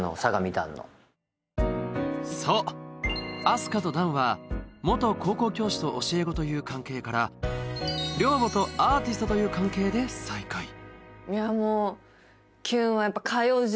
あす花と弾は元高校教師と教え子という関係から寮母とアーティストという関係で再会いや